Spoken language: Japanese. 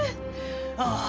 ああ。